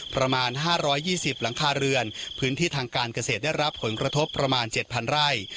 ประมาณห้าร้อยยี่สิบหลังคาเรือนพื้นที่ทางการเกษตรได้รับขนกระทบประมาณเจ็ดพันไร่